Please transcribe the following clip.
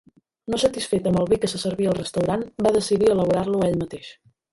No satisfet amb el vi que se servia al restaurant, va decidir elaborar-lo ell mateix.